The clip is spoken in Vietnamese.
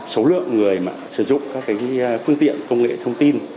số lượng người sử dụng các phương tiện công nghệ thông tin